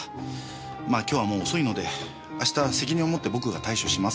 まあ今日はもう遅いので明日責任を持って僕が対処します。